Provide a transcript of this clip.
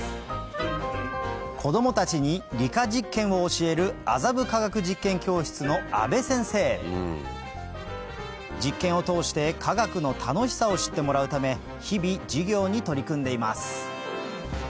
子供たちに理科実験を教える実験を通して科学の楽しさを知ってもらうため日々授業に取り組んでいます